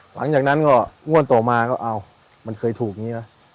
หลังจากนั้นก็งวดต่อมาก็อ้าวมันเคยถูกอย่างนี้นะ